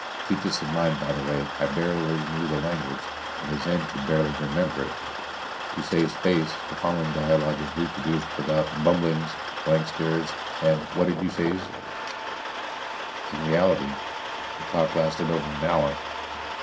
Keep this in mind, by the way: I barely knew the language, and the Zen could barely remember it. To save space, the following dialogue is reproduced without bumblings, blank stares and What did you says? In reality, our talk lasted over an hour.